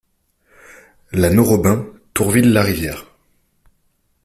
La Nos Robin, Tourville-la-Rivière